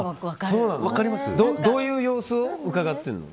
どういう様子をうかがってるの？